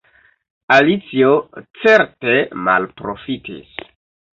Alicio certe malprofitis.